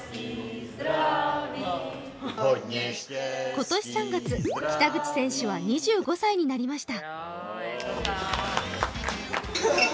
今年３月、北口選手は２５歳になりました。